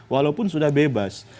walaupun sudah bebas